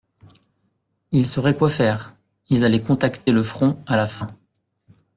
Il saurait quoi faire, ils allaient contacter le Front, à la fin